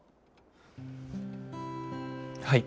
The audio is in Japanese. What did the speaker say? はい。